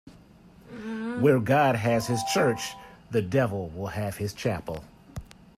Where God has his church, the devil will have his chapel.